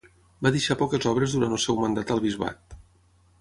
Va deixar poques obres durant el seu mandat al bisbat.